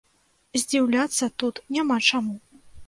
Здзіўляцца тут няма чаму.